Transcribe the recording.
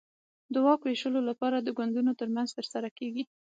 د واک وېشلو لپاره د ګوندونو ترمنځ ترسره کېږي.